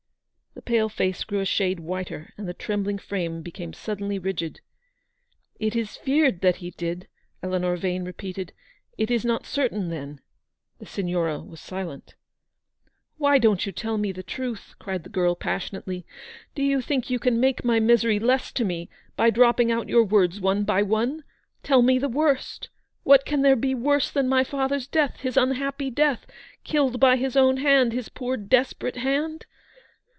The pale face grew a shade whiter, and the trembling frame became suddenly rigid. " It is feared that he did !" Eleanor Vane repeated. " It is not certain, then? " The Signora was silent. "Why don't you tell me the truth ?" cried the girl, passionately. " Do you think yon can make my misery less to me by dropping out your words one by one? Tell me the worst. What can there be worse than my father's death; his unhappy death ; killed by his own hand, his poor desperate hand?